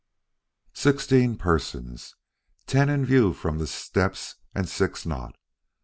] Sixteen persons! Ten in view from the steps and six not.